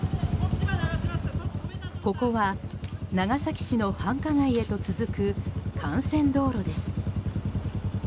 ここは長崎市の繁華街へと続く幹線道路です。